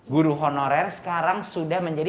guru honorer sekarang sudah menjadi